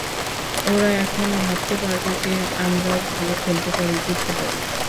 ওরা এখন ভাবতে পারবে যে, আমরাও ভালো খেলতে পারি, জিততে পারি।